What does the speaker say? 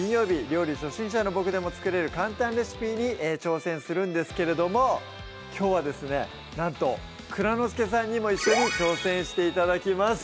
料理初心者のボクでも作れる簡単レシピに挑戦するんですけれどもきょうはですねなんと蔵之介さんにも一緒に挑戦して頂きます